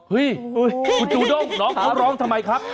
เฮ้ยคุณจูด้งน้องเขาร้องทำไมครับ